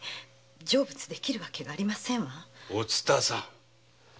お蔦さん。